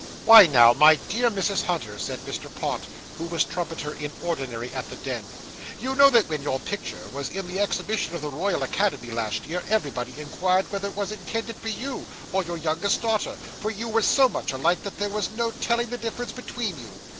'Why now, my dear Mrs. Hunter,' said Mr. Pott, who was trumpeter in ordinary at the Den, 'you know that when your picture was in the exhibition of the Royal Academy, last year, everybody inquired whether it was intended for you, or your youngest daughter; for you were so much alike that there was no telling the difference between you.